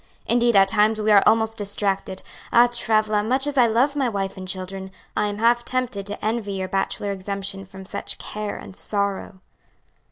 Indeed at times we are almost distracted. Ah, Travilla, much as I love my wife and children, I am half tempted to envy your bachelor exemption from such care and sorrow!"